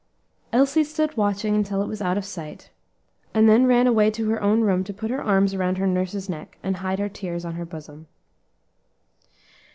Elsie stood watching until it was out of sight, and then ran away to her own room to put her arms round her nurse's neck and hide her tears on her bosom.